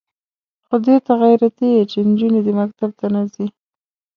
خو دې ته غیرتي یې چې نجونې دې مکتب ته نه ځي.